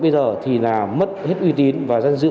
bây giờ thì là mất hết uy tín và dân giữ